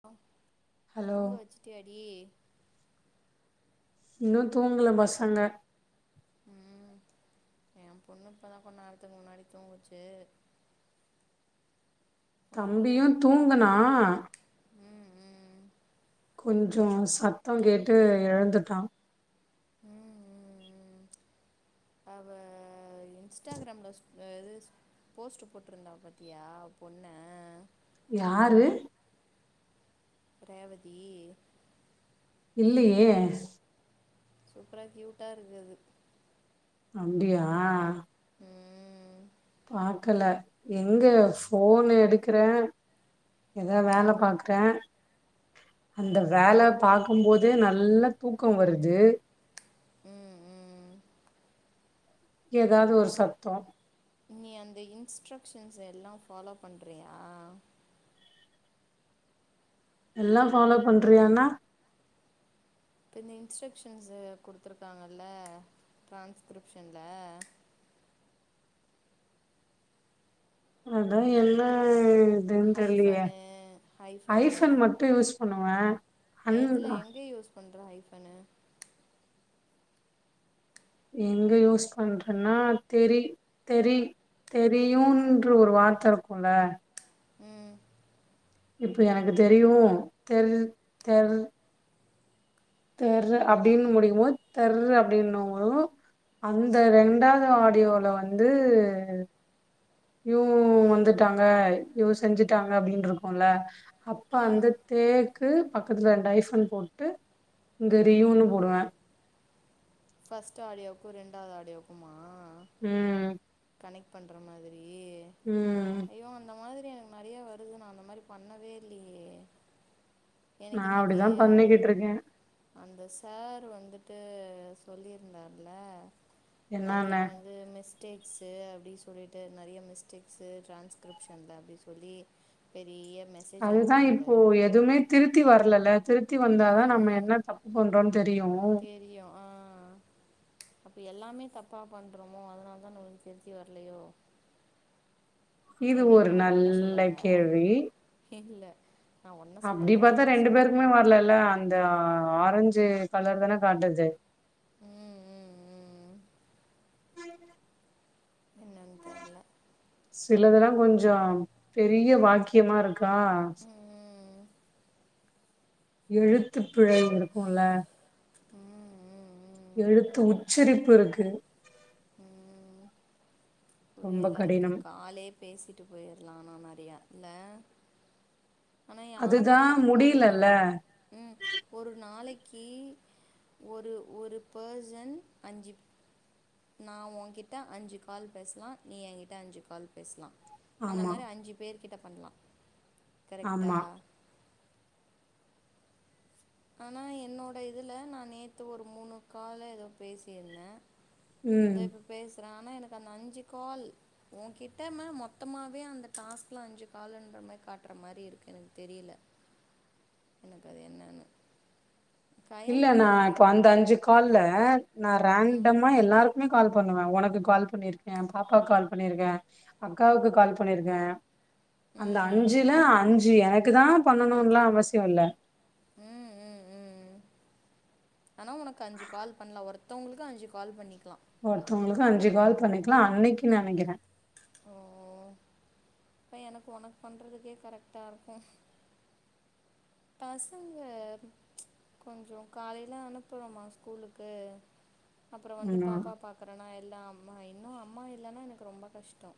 [unintelligible] Hello தூங்க வெச்சுட்டியாடி இன்னு தூங்ல பசங்க ம் எ பொண்ணு இப்பதா கொஞ்நேரத்துக்கு முன்னாடி தூங்குச்சு தம்பியு பையன் தூங்குனா ம் ம் கொஞ்சோ சத்தோ கேட்டு எழுந்துட்டா ம் ம் ம் அவ இன்ஸ்டாகிராம்ல இது போஸ்ட்டு போட்ருந்த பத்தியா பொண்ண யாரு? ரேவதி இல்லியே சூப்பரா கியூட்டா இருக்கு அது அப்டியா ம் பாக்கல எங்க ஃபோன் எடுக்ற ஏதா வேல ம் பாக்ற அந்த ம் வேல ம் பாக்கும்போதே நல் ல்லா தூக்கோ வருது ம், ம் ஏதாவது ஒரு சத்தோ நீ அந்த இன்ஸ்ட்ரக்‌ஷன்ஸ் எல்லா ஃபாலோ பண்றியா எல்லா ஃபாலோ பண்றியானா இப்ப இந்த இன்ஸ்ட்ரக்ஷன்ஸ் குடுத்துருக்காங்கல்ல டிரான்ஸ்கிரிப்ஷன்ல அதா என்ன எதுனு தெர்லியே ஹைஃபனு ஹைஃபனு ஹைஃபன் மட்டு யூஸ் பண்ணுவே எதுல எங்க யூஸ் பண்ற ஐ எங்க யூஸ் பண்றன்னா தெரி தெரி தெரியுன்ற ஒரு வார்த்த இருக்குல ம் இப்ப எனக்கு தெரியு தெர் தெர் தெர் அப்டின்னு முடிக்குமோது தெர்ரு அப்டினும்போ அந்த ரெண்டாது ஆடியோல வந்து [unintelligible] வந்துட்டாங்க இவங் செஞ்சுட்டாங்க அப்டின்ருக்குல அப்ப அந்த ம் தே கு பக்கத்துல டைஃபன் போட்டு தெரியுனு போடுவே ஃபர்ஸ்ட் ஆடியோக்கு ரெண்டாது ஆடியோக்குமா ம் கனெக்ட் பண்ற மாதிரி ம் ஐயோ அந்த மாதிரி எனக்கு நெறைய வருது நா அந்த மாரி பண்ணவே இல்லியே நா அப்டிதா பண்ணிக்கிட்ருக்கே அந்த சார் வந்துட்டு சொல்லிருந்தார்ல என்னான்னு நெறையா வந்து மிஸ் டேக்ஸு அப்டி சொல்லிட்டு நெறைய மிஸ்டேக்ஸு ட்ரான்ஸ்கிரிப்ஷன்ல அப்டி சொல்லி பெரிய மெசேஜ் அதுதா இப்போ அனுப்பியிருந்தார் எதுமே திருத்தி வர்லல திருத்தி வந்தா தா நம்ம என்ன தப்பு பண்றோன் தெரியு ஆ அப்ப எல்லாமே தப்பா பண்றோமோ அதனால தா நம்முளுக்கு திருத்தி வர்லயோ இது ஒரு நல்ல கேள்வி இல்லை நான் ஒன்றை சொல்லலை அப்டிபாத்தா என்ன ரெண்டு சொல்கிறேன் பேருக்குமே வர்ல இல்ல அந்த ஆ ஆரஞ்சு கலர் தான காட்டுது உம் உம் உம் என்னனு தெர்ல சிலதெல்லா கொஞ்சோ பெரிய வாக்கியமாருக்கா ம் ம் எழுத்துப்பிழை இருக்கு ல உம் உம் எழுத்து உச்சரிப்புருக்கு உம் ரொம்ப ஏல அதுக்கு கடினம் காலே பேசிட்டு போய்ர்லா நா நெ றையா இல்ல ஆனா அதுதா யார்க்கிட்ட ஒரு நா முடியலல்ல உம் ஒரு நாளைக் க்கி ஒரு ஒரு பர்சன் அஞ்சு நா உன்கிட்ட அஞ்சு கால் பேசலா நீ என்கிட்ட அஞ்சு கால் பேசலா அந்த ஆமா மாரி அஞ்சு பேர் கிட்ட பண்லா கரெக்டா ஆமா ஆனா என்னோட இதுல நா நேத்து ஒரு மூணு காலோ ஏதோ பேசியிருந்தே தோ ம் இப்ப பேச க்கறே ஆனா எனக்கு அந்த அஞ்சு கால் உ கிட்ட ம மொத்தமாவே அந்த டாஸ்க்ல அஞ்சு காலுன்ற மாரி காட்ற மாரி இருக்கு எனக்கு தெரில எனக்கு அது என்னன்னு இல்ல கயல் நா நான் இப்ப அந்த அஞ்சு கால்ல நா ரேண்டமா எல்லாருக்குமே கால் பண்ணுவே உனக்கு கால் பண்ணிருக்கே பாப்பா கால் பண்ணிருக்கே அக்காவுக்கு கால் பண்ணிருக்கே அந்த ம் ம் அஞ்சுல ம் அஞ்சு என க்கு தா பண்ணணுலா அவசியோ இல்ல உம் உம் உம் ஆனா உனக்கு அஞ்சு கால் பண்லா ஒருத்தவங்களுக்கு அஞ்சு கால் பண்ணிக்கலா ஒருத்தங்களுக்கு அஞ்சு கால் பண்ணிக்கலா அன்னைக்கு நெனைக்கிறே ஓ அப்ப எனக்கு உனக்கு பண்றதுக்கே கரெக்ட்டா இருக்கு பசங்க கொஞ்சு காலையிலா அனுப்புறோமா ஸ்கூலுக்கு அப்புற வந்து ஆமா பாப்பா பாக்குற அனா எல்லா அம்மா இன்னு அம்மா இல்லன்னா எனக்கு ரொம்ப கஷ்டோ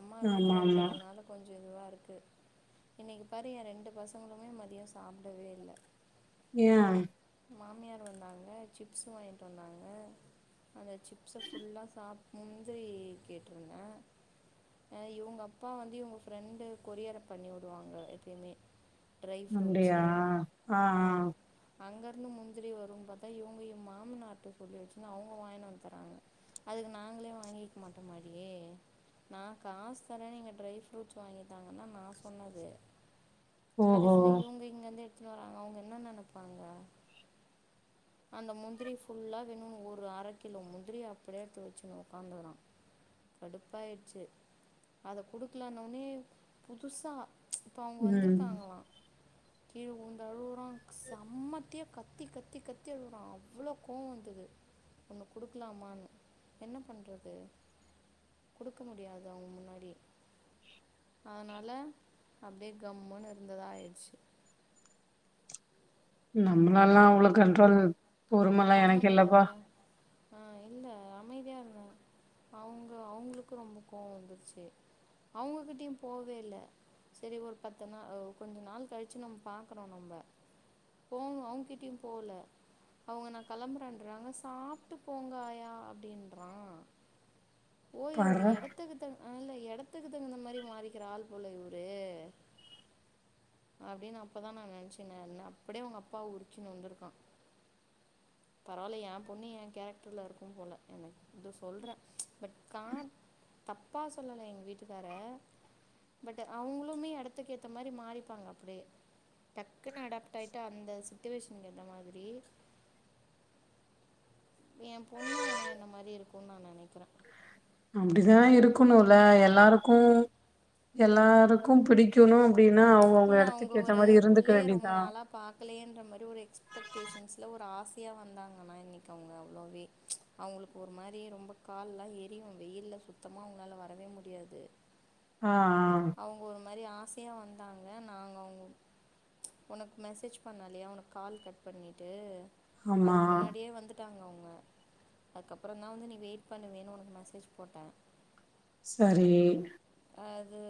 அம்மா ஆமா வீட்டு்ல ஆமா இருக்கிறதுனால கொஞ்சு இதுவா இரு இருக்கு இன்னைக்கு பாரு ஏ ரெண்டு பசங்களு மே மதியோ சாப்பிடவே இல்ல ஏ மாமியார் வந்தாங்க சிப்ஸ வாங்கிட்டு வந்தாங்க அந்த சிப்ஸ ஃபுல்லா சாப்னு முந்திரி கேட்டுருந்த இவங்க அப்பா வந்து இவங்க ஃப்ரெண்டு கொரியர பண்ணி விடுவாங்க எப்பயுமே ட்ரை அப்பிடியா ஆஹ்ஹ் அங்கிருந்து முந்திரி வருனு பாத்தா இவங்க என் மாமனார்ட்ட சொல்லி வெச்சுஅவுங்க வாங்கி வந்து தர்ராங்க அதுக்கு நாங்களே வாங்கிக்க மாட்டோ இங்யே நா காசு தரேன் நீங்க ட்ரை ஃப்ரூட்ஸ் வாங்கித்தாங்கனு நா சொன்னது ஓஹோ கடைசியில இவுங்க இங்கிந்து எடுத்து வர்ராங்க அவங்க என்ன நெனப் பாங்க அந்த முந்திரி ஃபுல்லா வேணுனு ஒரு அரை கிலோ முந்திரி அப்படியே எத்து வெச்சுனுஉக்காந்துக்குறா கடுப்பாயிடுச்சு அத குடுக்கலன ஒன்னே புதுசா ப்ச் இப்போ அவுங்க ம் வந்திருக்காங்ளா கீழ விளுந்து அழுகுறா சம்மத்தியா கத் தி கத்தி கத்தி அழுறா அவ்ளோ கோவோ வந்தது ஒண்ணு குடுக்கலாமான்னு என்ன பண்றது குடுக்க முடியாது அவுங்க முன்னாடி அதனால அப்படியே கம்முன்னு இருந்ததா ஆயிடுச்சு நம்மளல்லா அவ்ளவு கண்ட்ரோல் பொறுமைல்லா எனக்கு இல்லப்பா ஆஹ் இல்ல அமைதியா இருந்தான் அவுங்க அவுங்களுக்கு ரொம்போ கோவோ வந்துருச்சு அவங்ககிட்டயு போவே இல்ல சரி ஒரு பத்து நாள் கொஞ்ச நாள் கழிச்சு நம்ம பார்கறோ நம்ம போகணு அவுங்ககிட்டயு போகல அவுங்க நா கிளம்புன்றங்காங்க சாப்ட்டு போங்க ஆயா அப்படின்றா போய் ஒரு பார்றா எடத்துக்கு தகுந்த அதனால எடத்துக்கு தகுந்த மாரி மாறிக்கிற ஆள்போல இவுரு அப்படின்னு அப்பதா நா நினைச்சுகின்ன அப்படியே உங்க அப்பாவ உருக்கின்னு வந்திருக்கா பரவாயில்ல ஏ பொண்ணு ஏ கேரக்டர்ல இருக்கும் போல எனக்கு இது சொல்ற ப்ச் பட் கார் தப்பாக சொல்லல எங்க வீட்டுக்காரர பட் அவுங்களுமே எடத்துக்க ஏத்த மாரி மாறிப்பாங்க அப்படியே டக் குனு அடாப்ட்டு ஆயிட்டு அந்த சிட்டுவேஷனுக்கு ஏத்த மாரி எ பொண்ணு ஆனா என்ன மாரி இருக்குனு நா நெனைக்கிற அப்படிதா இருக்கணுல்ல எல்லாருக்கு எல்லாருக்கும் பிடிக்கணு அப்டின்னா அவங்கவுங்க இல்ல அவுங்க எடத்துக்கு ஏத்த ஒரு மாரி இருந்துக்க புள்ளய ரொம்ப வேண்டியதா நாளா பாக்கலயேன்ற மாரி ஒரு எக்ஸ்பெக்டேஷன்ஸ்ல ஒரு ஆச யா வந்தாங்கன்னா இன்னைக்கு அவுங்க அவ்ளவே ப்ச் அவூங்களுக்கு ஒரு மாரி ரொம்ப கால்லெல்லா எரியு வெய்யில்ல சுத்தமா அவுங்களால வரவே முடியாது ஆ ஆ அவுங்க ஒரு மாரி ஆச யா வந்தாங்க நாங்க அவுங்க ப்ச் உனக்கு மெசேஜ் பண்ணயில்லயா உனக்கு கால் கட் பண்ணிட்டு ஆமா அதுக்கு முன்னாடியே வந்து கூப்டாங்க அவுங்க. அதுக்கப்பறந்தா வந்து நீ வெயிட் பண்ணு வேனு உனக்கு மெசேஜ் போட்ட சரி அது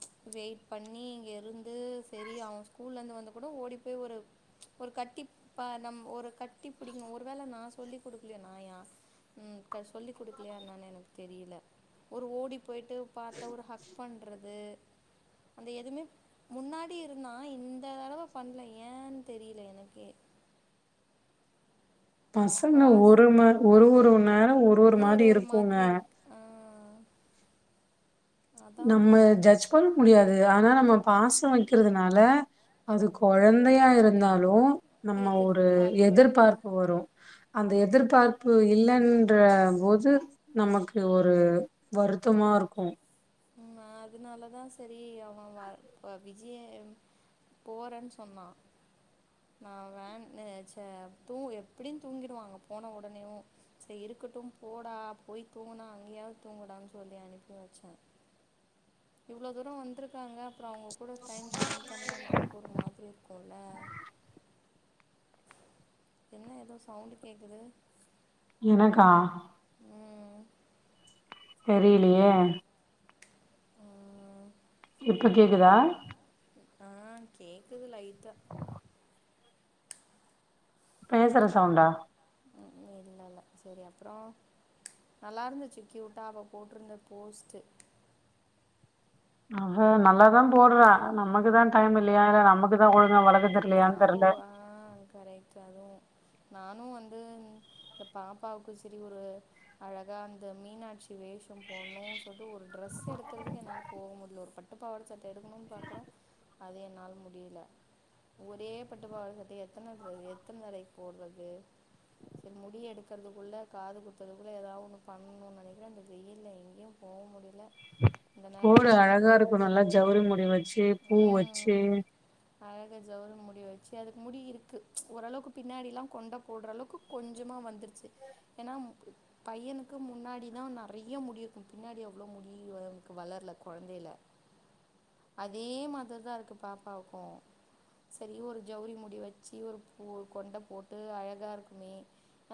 ப்ச் வெயிட் பண்ணி இங்க இருந் து செரி அவன் ஸ்கூல்ல இருந்து வந் கூட ஓடி போய் ஒரு ப்ச் ஒரு கட்டி பா நம்ம ஒரு கட்டி பிடிகணு. ஒரு வேள நா சொல்லி குடுக்கலயா நா யா ம் சொல்லிக் குடுக்கலயா என்னனு எனக்கு தெரியல. ஒரு ஓடி போய்ட்டு பாத்தா ஒரு ஹக் பண்றது அந்த எதுமே முன்னாடி இருந்தா இந்த தடவ பண்ல ஏன் தெரியல எனக்கே பசங்கனா ஒரு மா ஒரு ஒரு நேர ஒரு ஒரு இன்னும் மாரி இருக்குங்க மாதிரி இருக்கு ஆ, அதான் நம்ம போல ஜட்ஜ் பண் முடியாது ஆனா நம்ம பாச வக்கிறதுனால அது கொழந்தையா இருந்தாலு நம்ம ஒரு எதிர்பார்ப்பு ஆ எதிர்பார்ப்பு வரு அந்த எதிர்பார்ப்பு இல்லன்றபோது நமக்கு ஒரு வருத்தமா இருக்கு உம் ஆஹ் அதுனாலதா செரி அவ வர் இப்ப விஜய போறேன் சொன்னா நா வே னு சே தூ எப்டியு தூங்கிடுவாங்க போன ஒடனேவு செரி இருக்கட்டு போடா போய் தூங்குனா அங்கயாவ்து தூங்குடான் சொல்லி அனுப்பி வச்சே இவ்ளோ தூர வந்த்ருக்காங்க அப்ற அவ்ங்க கூட டைம் ஸ்பெண்ட் பண்ணலன்றக்கு ஒரு மாதிரி இருக்கு ஹல என்ன எதோ சவுண்டு கேக்குது எனக்கா ம் தெரிலயே உம் இப்ப கேக்குதா ஆஹ் கேக்குது லைட்டா பேசற சவுண்டா இல்ல இல்ல இல்ல செரி அப்றோ நல்லா இருந்துச்சு க்யூட்டா அவ போட்ருந்த போஸ்ட்டு அவ நல்லாதா போட்றா ஆனா நமக்குதா டைம் இல்லயா நமக்குதா ஒழுங்கா வளக்க தெரியலையான்னு நம்பவ் தெர்ல ஆஹ் கரெக்ட் அதேத நானு வந்து இந்த பாப்பாவுக்கு செரி ஒரு அழகா அந்த மீனாட்சி பட்டி வேஷம் போட்ணு சொல்ட்டு ஒரு ட்ரெஸ் எடுக்கறதுக்கு என்னால போக முடில ஒரு பட் ட்டுப்பாவட சட்ட எடுக்கணுன் பாக்றே அது என்னால முடியல ஒரே பட்டுப்பாவட சட்டய எத்தன் தடவ எத்தன் நாளைக்கு போட்றது செரி முடி எடுக்கறதுக்குள்ள காது குத்தறக்குள்ள எதாவொன்னு பண்ணுன் நெனைக்றே அந்த வெயில்ல எங்கெயு போக முடில்ல போடு அழகா இருக்கு நல்லா ஜவுரி முடி வச்சு பூ வச்சு ங்க ஜவுரி முடி வச்சு அதுக்கு முடி இருக்கு ஓரளவுக்கு பின்னாடிலா கொண்ட போட்ற அளவுக்கு கொஞ்சமா வந்திருச்சு ஏனா பையனுக்கு முன்னாடிதா நெறைய முடி இருக்கு பின்னாடி அவ்ளோ முடி அவனுக்கு வளர்ல கொழந்தைல அதே மாதர் தா இருக்கு பாப்பாவுக்கு செரி ஒரு ஜவுரி முடி வச்சி ஒரு பூ கொண்ட போட்டு அழகா இருக்குமே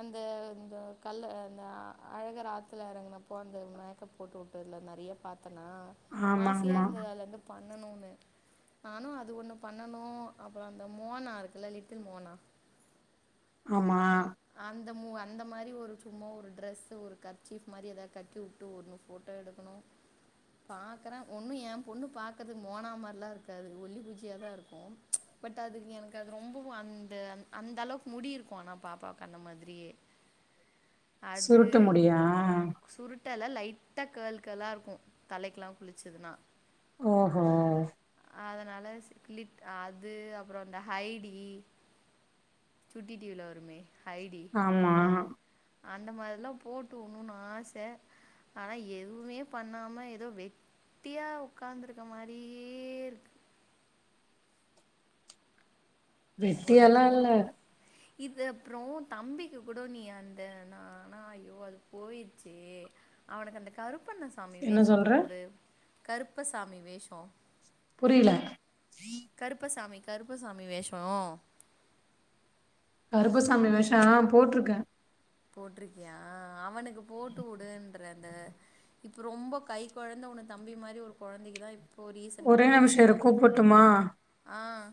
அந்த இந்த கள்ள அஹ் அந்த அ அழகர் ஆத்துல எறங்குனப்போ அந்த மேக்கப் போட்டு விட் ட்விட்டர்ல நெறைய பாத்தனா ஆமா ஆசையா ஆமா இருந்தது அதுல இருந்து பண் நானு ஒன்னு நானு அது ஒன்னு பண் ண்ணனு அப்ற அந்த மோனா இருக்குல லிட்டில் மோனா ஆமா அந்த மு அந்த மாரி ஒரு சும்மா ஒரு ட்ரெஸு ஒரு கர்ச்சீஃப் மாரி எதா கட்டிவுட்டு ஒன்னு போட்டா எடுக்கணு பாக்றே ஒன்னு எ பொண்ணு பாக்றதுக்கு மோனா மார்லா இருக்காது ஒல்லிக்குச்சியா தா இருக்கு பட் அதுக்கு எனக்கு அது ரொம்பவு அந்த அந்த அளவுக்கு முடி இருக்கு ஆனா பாப்பாக்கு கன்ன மாதிரியே அது சுருட்டு முடியா சுருட்டல லைட் ட்டா கார்ல் கார்ல்லா இருக்கு தலைக்குலா குளிச்சதுனா ஓஹோ அதனால செரிக் க்ளிப்ட் அது அப்ற அந்த ஹைடி சுட்டி டி வி ல வருமே ஹைடி ஆமா அந்த மாரில்லா போட்டு ஊடுணு ஆசை ஆனா எதுவுமே பண்ணாம ஏதோ வெட்டியா உகார்ந்துருக்க மாரியே இருக்கு ஒரு ரெண்டு வெட்டியாலா மூணு இல்ல போட் இது அப்புற தம்பிக்கு கூட நீ அந்த நானா ஐயோ அது போயிடுச்சே அவனுக்கு அந்த கருப்பு பண்ண சாமி என்ன வேஷம் சொல்ற போட்டுவிடு கருப்பசாமி வேஷ புரில கருப்பசாமி கருப்பசாமி வேஷோ கருப்பசாமி வேஷ போட்ருக்கே போட்டிருக்கியா அவனுக்கு போட்டுவுடுனறல இப்ப ரொம்ப கை குழந்த உன் தம்பி மாரி ஒரு குழந்தைக்குதா இப்போ ரீசண்டா ஒரே அந்த மூவி நிமிஷம் இரு வந்து கூப்புட்டுமா ஆஹ்